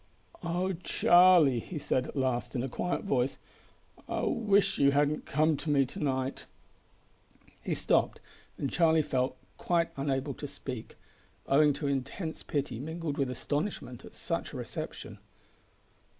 "O Charlie," he said at last in a quiet voice, "I wish you hadn't come to me to night." He stopped, and Charlie felt quite unable to speak, owing to intense pity, mingled with astonishment, at such a reception.